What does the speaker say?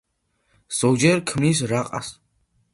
ზოგჯერ ქმნის რაყას.